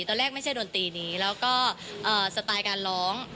ไม่ใช่ดนตรีนี้แล้วก็สไตล์การร้อง